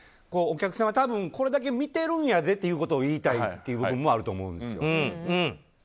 お客さんは多分、これだけ見てるんやでということを言いたい部分もあると思うんですよ。